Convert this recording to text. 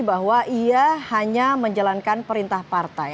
bahwa ia hanya menjalankan perintah partai